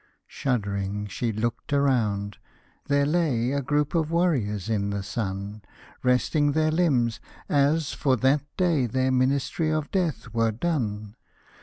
Shuddering she looked around^ there lay A group of warriors in the sun. Resting their limbs, as for that day Their ministry of death were done.